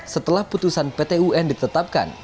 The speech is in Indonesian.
setelah putusan pt un ditetapkan